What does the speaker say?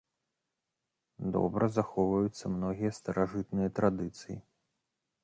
Добра захоўваюцца многія старажытныя традыцыі.